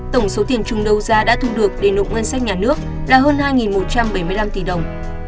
tổng số tiền chung đấu giá đã thu được để nộp ngân sách nhà nước là hơn hai một trăm bảy mươi năm tỷ đồng